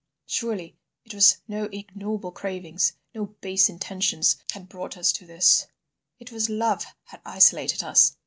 Surely it was no ignoble cravings, no base intentions, had brought us to this; it was Love had isolated us.